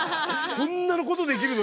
「こんなことできるの？